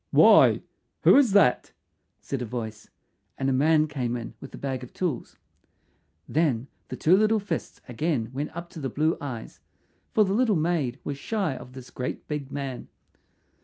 "Why, who is that?" said a voice, and a man came in with a bag of tools. Then the two little fists again went up to the blue eyes, for the little maid was shy of this great big man.